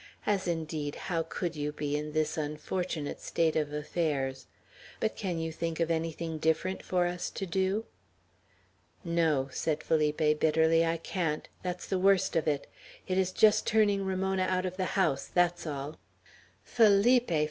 "As, indeed, how could you be in this unfortunate state of affairs? But can you think of anything different for us to do?" "No," said Felipe, bitterly. "I can't, that's the worst of it. It is just turning Ramona out of the house, that's all." "Felipe!